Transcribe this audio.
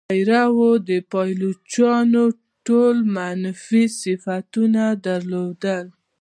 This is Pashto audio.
پیرو د پایلوچانو ټول منفي صفتونه درلودل.